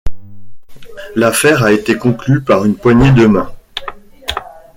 L'affaire a été conclue par une poignée de main.